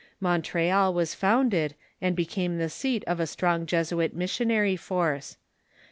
Montreal was founded, and became the seat of a strong Jesuit missionary force.